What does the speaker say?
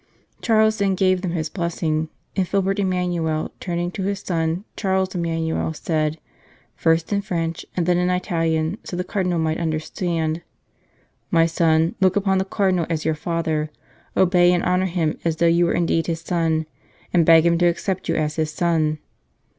Charles then gave them his blessing, and Philibert Emmanuel, turning to his son Charles Emmanuel, said, first in French and then in Italian, so that the Cardinal might understand :" My son, look upon the Cardinal as your father ; obey and honour him as though you were indeed his son, and beg him to accept you as his son!"